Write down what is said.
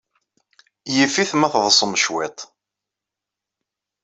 Yif-it ma teḍḍsem cwiṭ.